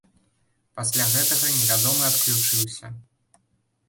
Пасля гэтага невядомы адключыўся.